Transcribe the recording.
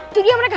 itu dia mereka